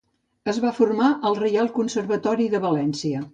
Es va formar al Reial Conservatori de València.